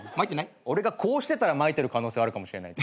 俺がこうしてたらまいてる可能性あるかもしれない。